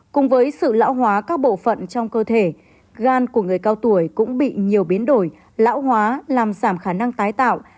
cùng với sự lão hóa các bộ phận trong cơ thể gan của người cao tuổi cũng bị nhiều biến đổi lão hóa làm giảm khả năng tái tạo